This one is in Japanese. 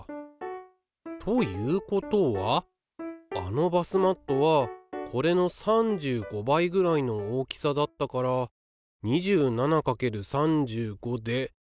ということはあのバスマットはこれの３５倍ぐらいの大きさだったから２７×３５で９４５！？